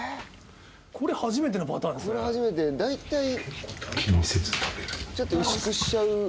これ初めてのパターンですね。